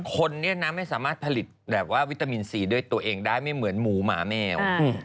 คนเนี่ยนะไม่สามารถผลิตแบบว่าวิตามินซีด้วยตัวเองได้ไม่เหมือนหมูหมาแมว